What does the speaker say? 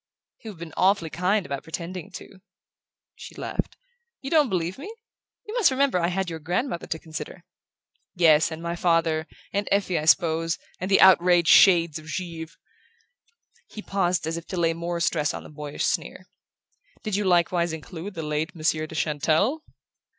"You've been awfully kind about pretending to." She laughed. "You don't believe me? You must remember I had your grandmother to consider." "Yes: and my father and Effie, I suppose and the outraged shades of Givre!" He paused, as if to lay more stress on the boyish sneer: "Do you likewise include the late Monsieur de Chantelle?"